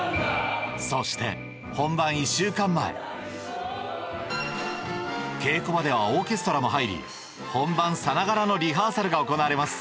そして稽古場ではオーケストラも入り本番さながらのリハーサルが行われます